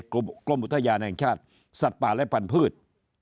กรมอุทยานแห่งชาติสัตว์ป่าและพันธุ์